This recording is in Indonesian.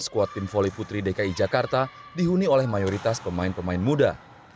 skuad tim voli putri dki jakarta dihuni oleh mayoritas pemain pemain muda